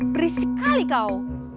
berisik kali kau